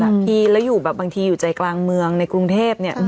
พี่แล้วอยู่แบบบางทีอยู่ใจกลางเมืองในกรุงเทพเนี่ย